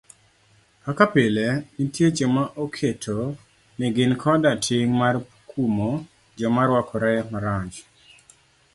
Kaka pile nitie joma oketo ni gin koda ting' mar kumo joma rwakore marach.